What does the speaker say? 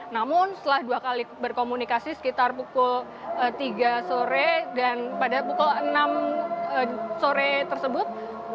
namun setelah dua kali berkomunikasi sekitar pukul tiga sore dan pada pukul enam sore tersebut